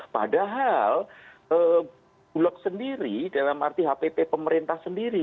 padahal bulog sendiri dalam arti hpp pemerintah sendiri